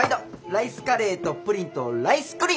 ライスカレーとプリンとライスクリン！